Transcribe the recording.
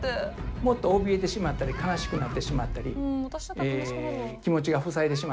もっとおびえてしまったり悲しくなってしまったり気持ちがふさいでしまったりする子もいるでしょ。